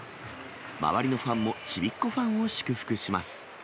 周りのファンも、ちびっ子ファンを祝福します。